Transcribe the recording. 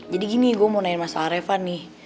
jadi gini gue mau nanya masalah reva nih